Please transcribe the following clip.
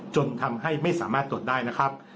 จนทำให้ไม่สามารถตรวจได้นะครับ